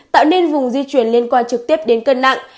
tạo nên vùng di chuyển liên quan trực tiếp đến cân nặng